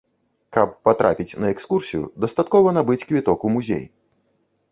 Каб патрапіць на экскурсію дастаткова набыць квіток у музей.